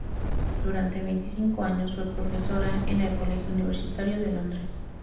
Durante veinticinco años, fue profesora en el Colegio Universitario de Londres.